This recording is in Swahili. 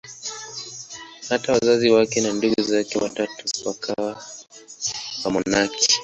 Hata wazazi wake na ndugu zake watatu wakawa wamonaki.